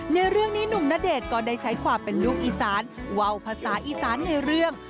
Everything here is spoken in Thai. ในเรื่องนี้หนุ่มณเดชน์ก็ได้ใช้ความเป็นลูกอีสานวาวภาษาอีสานในเรื่อง